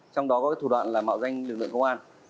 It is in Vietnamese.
trong đó có thủ đoạn là mạo danh lực lượng công an